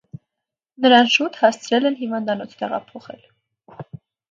Նրան շուտ հասցրել են հիվանդանոց տեղափոխել։